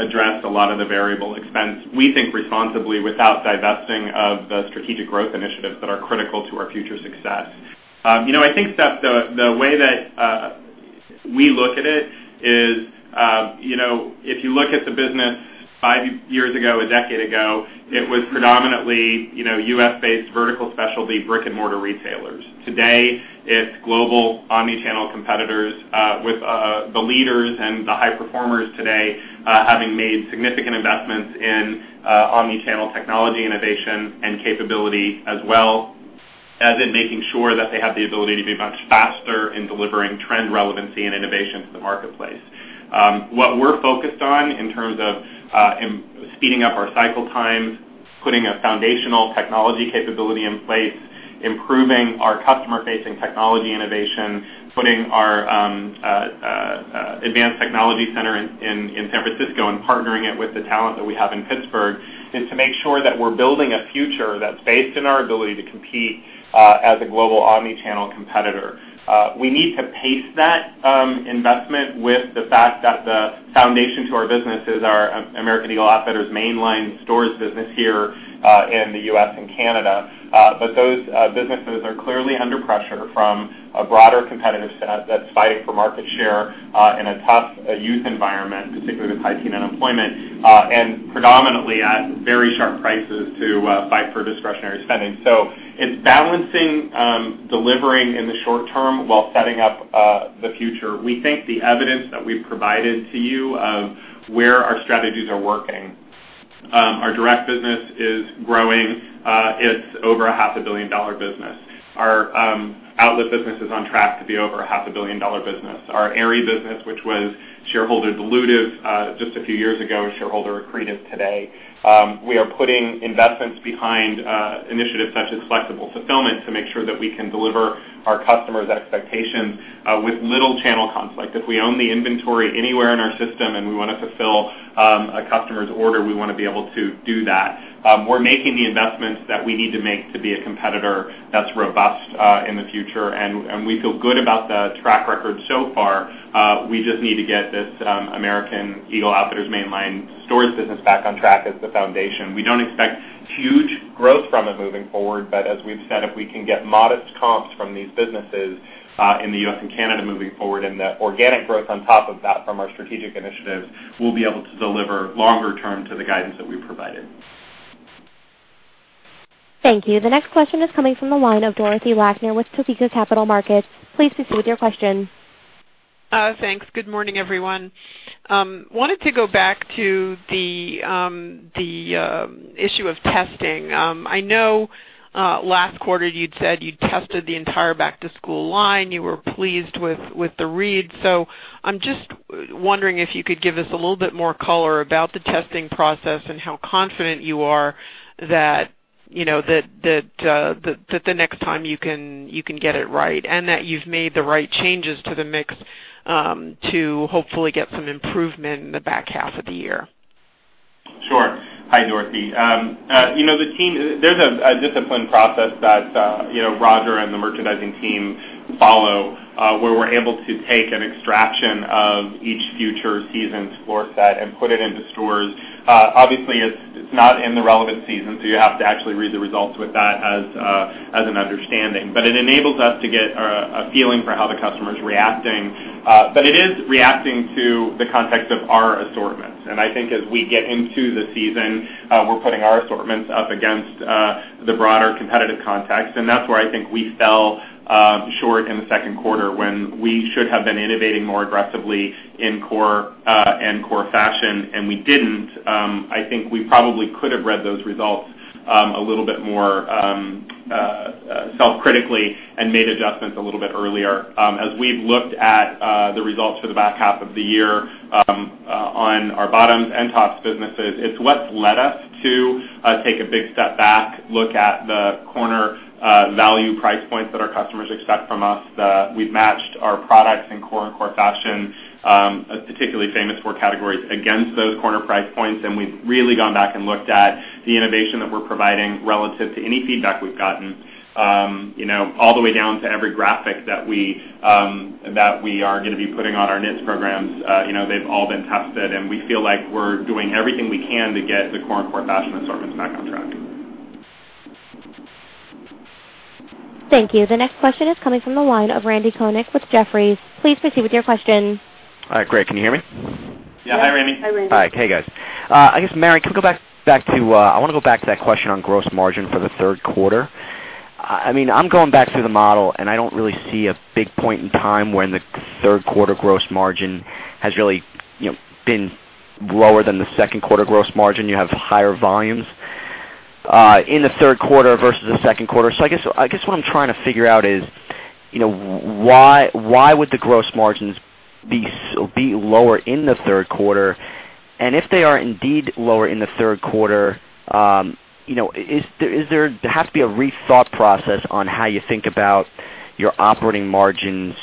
address a lot of the variable expense, we think responsibly, without divesting of the strategic growth initiatives that are critical to our future success. I think, Steph, the way that we look at it is, if you look at the business five years ago, a decade ago, it was predominantly U.S.-based vertical specialty brick-and-mortar retailers. Today, it's global omni-channel competitors with the leaders and the high performers today having made significant investments in omni-channel technology innovation and capability, as well as in making sure that they have the ability to be much faster in delivering trend relevancy and innovation to the marketplace. What we're focused on in terms of speeding up our cycle times, putting a foundational technology capability in place, improving our customer-facing technology innovation, putting our advanced technology center in San Francisco and partnering it with the talent that we have in Pittsburgh, is to make sure that we're building a future that's based on our ability to compete as a global omni-channel competitor. We need to pace that investment with the fact that the foundation to our business is our American Eagle Outfitters mainline stores business here in the U.S. and Canada. Those businesses are clearly under pressure from a broader competitive set that's fighting for market share in a tough youth environment, particularly with high teen unemployment. Predominantly at very sharp prices to fight for discretionary spending. It's balancing delivering in the short term while setting up the future. We think the evidence that we've provided to you of where our strategies are working. Our direct business is growing. It's over a half a billion-dollar business. Our outlet business is on track to be over a half a billion-dollar business. Our Aerie business, which was shareholder dilutive just a few years ago, is shareholder accretive today. We are putting investments behind initiatives such as flexible fulfillment to make sure that we can deliver our customers' expectations with little channel conflict. If we own the inventory anywhere in our system and we want to fulfill a customer's order, we want to be able to do that. We're making the investments that we need to make to be a competitor that's robust in the future, and we feel good about the track record so far. We just need to get this American Eagle Outfitters mainline stores business back on track as the foundation. We don't expect huge growth from it moving forward, but as we've said, if we can get modest comps from these businesses in the U.S. and Canada moving forward and the organic growth on top of that from our strategic initiatives, we'll be able to deliver longer term to the guidance that we've provided. Thank you. The next question is coming from the line of Dorothy Lakner with Topeka Capital Markets. Please proceed with your question. Thanks. Good morning, everyone. Wanted to go back to the issue of testing. I know last quarter you'd said you tested the entire back-to-school line. You were pleased with the read. I'm just wondering if you could give us a little bit more color about the testing process and how confident you are that the next time you can get it right, and that you've made the right changes to the mix to hopefully get some improvement in the back half of the year. Sure. Hi, Dorothy. There's a discipline process that Roger and the merchandising team follow where we're able to take an extraction of each future season's floor set and put it into stores. Obviously, it's not in the relevant season, you have to actually read the results with that as an understanding. It enables us to get a feeling for how the customer's reacting. I think as we get into the season, we're putting our assortments up against the broader competitive context, and that's where I think we fell short in the second quarter when we should have been innovating more aggressively in core and core fashion, and we didn't. I think we probably could have read those results a little bit more self-critically and made adjustments a little bit earlier. As we've looked at the results for the back half of the year on our bottoms and tops businesses, it's what's led us to take a big step back, look at the corner value price points that our customers expect from us. We've matched our products in core and core fashion, particularly famous four categories, against those corner price points, and we've really gone back and looked at the innovation that we're providing relative to any feedback we've gotten. All the way down to every graphic that we are going to be putting on our knits programs. They've all been tested, and we feel like we're doing everything we can to get the core and core fashion assortments back on track. Thank you. The next question is coming from the line of Randal Konik with Jefferies. Please proceed with your question. All right, great. Can you hear me? Yeah. Hi, Randy. Hi, Randy. Hi. Hey, guys. I guess, Mary, I want to go back to that question on gross margin for the third quarter. I'm going back through the model, and I don't really see a big point in time when the third quarter gross margin has really been lower than the second quarter gross margin. You have higher volumes in the third quarter versus the second quarter. I guess what I'm trying to figure out is why would the gross margins be lower in the third quarter? If they are indeed lower in the third quarter, there has to be a rethought process on how you think about your operating margins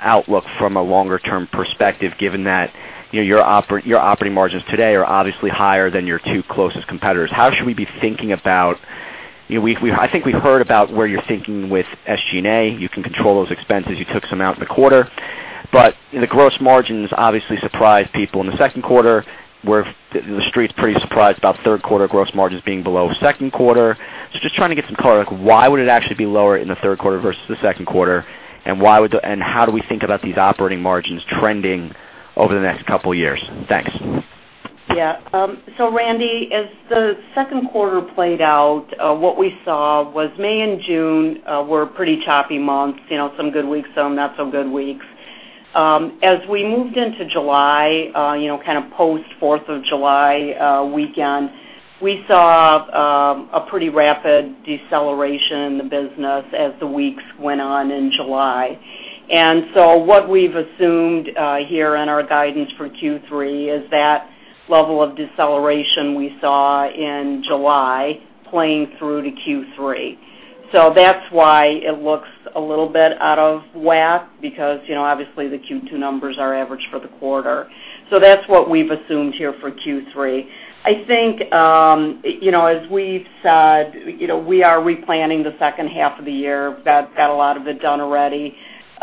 outlook from a longer-term perspective, given that your operating margins today are obviously higher than your two closest competitors. I think we've heard about where you're thinking with SG&A. You can control those expenses. You took some out in the quarter. The gross margins obviously surprised people in the second quarter. The Street's pretty surprised about third quarter gross margins being below second quarter. Just trying to get some clarity, like, why would it actually be lower in the third quarter versus the second quarter? How do we think about these operating margins trending over the next couple of years? Thanks. Yeah. Randy, as the second quarter played out, what we saw was May and June were pretty choppy months. Some good weeks, some not so good weeks. As we moved into July, kind of post 4th of July weekend, we saw a pretty rapid deceleration in the business as the weeks went on in July. What we've assumed here in our guidance for Q3 is that level of deceleration we saw in July playing through to Q3. That's why it looks a little bit out of whack, because obviously the Q2 numbers are average for the quarter. That's what we've assumed here for Q3. I think, as we've said, we are replanning the second half of the year. Got a lot of it done already.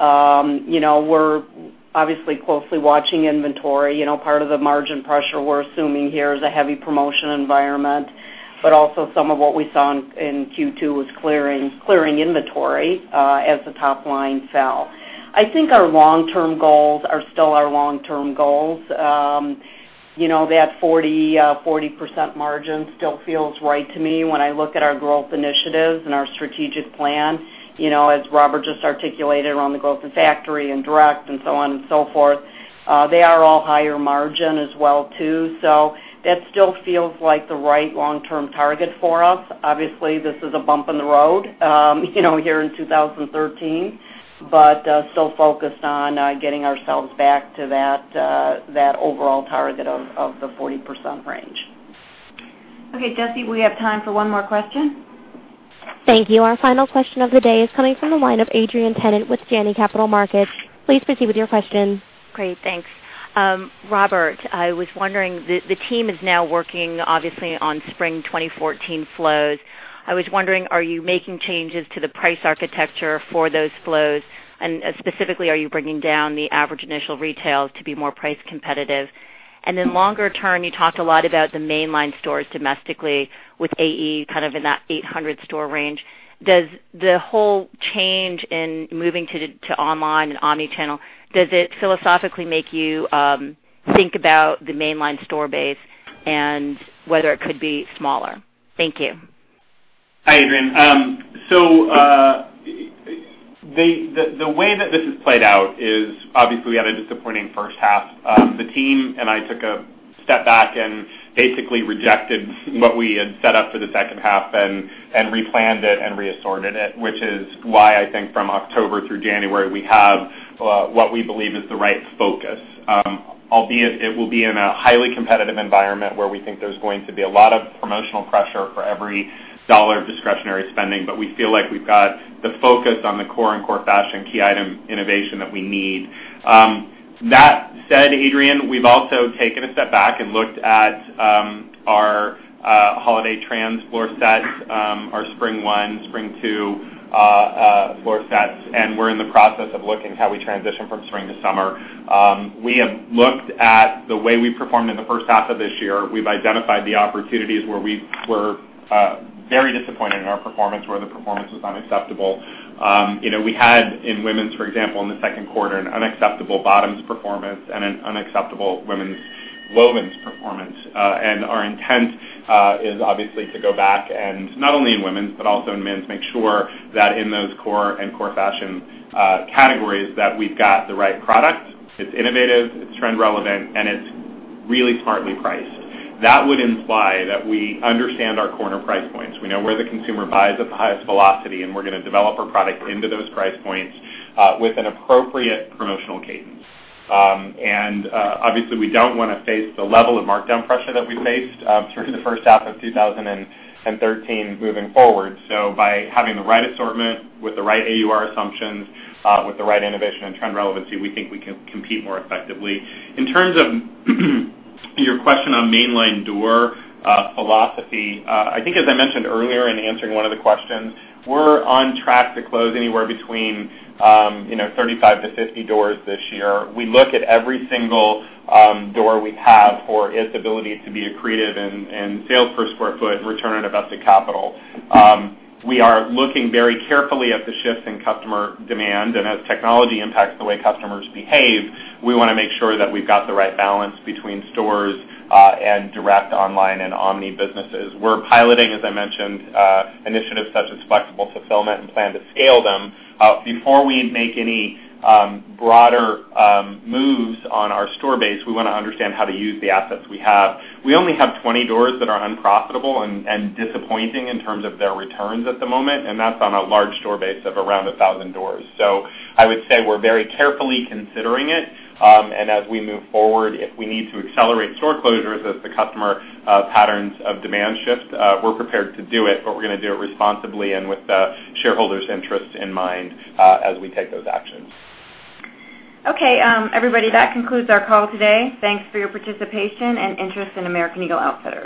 We're obviously closely watching inventory. Part of the margin pressure we're assuming here is a heavy promotion environment. Also, some of what we saw in Q2 was clearing inventory as the top line fell. I think our long-term goals are still our long-term goals. That 40% margin still feels right to me when I look at our growth initiatives and our strategic plan. As Robert just articulated around the growth in factory and direct and so on and so forth, they are all higher margin as well too. That still feels like the right long-term target for us. Obviously, this is a bump in the road here in 2013, but still focused on getting ourselves back to that overall target of the 40% range. Okay, Jesse, we have time for one more question. Thank you. Our final question of the day is coming from the line of Adrienne Yih-Tennant with Janney Montgomery Scott. Please proceed with your question. Great, thanks. Robert, the team is now working obviously on spring 2014 flows. I was wondering, are you making changes to the price architecture for those flows? Specifically, are you bringing down the average initial retails to be more price competitive? Then longer term, you talked a lot about the mainline stores domestically with AE kind of in that 800 store range. Does the whole change in moving to online and omni-channel, does it philosophically make you think about the mainline store base and whether it could be smaller? Thank you. Hi, Adrienne. The way that this has played out is obviously we had a disappointing first half. The team and I took a step back and basically rejected what we had set up for the second half and replanned it and re-assorted it, which is why I think from October through January, we have what we believe is the right focus. Albeit it will be in a highly competitive environment where we think there's going to be a lot of promotional pressure for every dollar of discretionary spending. We feel like we've got the focus on the core and core fashion key item innovation that we need. That said, Adrienne, we've also taken a step back and looked at our holiday trans floor sets, our spring one, spring two floor sets, and we're in the process of looking how we transition from spring to summer. We have looked at the way we performed in the first half of this year. We've identified the opportunities where we were very disappointed in our performance, where the performance was unacceptable. We had in women's, for example, in the second quarter, an unacceptable bottoms performance and an unacceptable women's wovens performance. Our intent is obviously to go back and not only in women's, but also in men's, make sure that in those core and core fashion categories, that we've got the right product. It's innovative, it's trend relevant, and it's really smartly priced. That would imply that we understand our corner price points. We know where the consumer buys at the highest velocity, and we're going to develop our product into those price points with an appropriate promotional cadence. Obviously we don't want to face the level of markdown pressure that we faced through the first half of 2013 moving forward. By having the right assortment with the right AUR assumptions, with the right innovation and trend relevancy, we think we can compete more effectively. In terms of your question on mainline door philosophy, I think as I mentioned earlier in answering one of the questions, we're on track to close anywhere between 35-50 doors this year. We look at every single door we have for its ability to be accretive in sales per square foot, return on invested capital. We are looking very carefully at the shift in customer demand, and as technology impacts the way customers behave, we want to make sure that we've got the right balance between stores and direct online and omni businesses. We're piloting, as I mentioned, initiatives such as flexible fulfillment and plan to scale them. Before we make any broader moves on our store base, we want to understand how to use the assets we have. We only have 20 doors that are unprofitable and disappointing in terms of their returns at the moment, and that's on a large store base of around 1,000 doors. I would say we're very carefully considering it. As we move forward, if we need to accelerate store closures as the customer patterns of demand shift, we're prepared to do it, but we're going to do it responsibly and with the shareholders' interests in mind as we take those actions. Okay, everybody, that concludes our call today. Thanks for your participation and interest in American Eagle Outfitters.